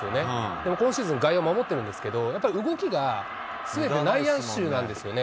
でも今シーズン、外野守ってるんですけど、やっぱり動きがすべて内野手なんですよね。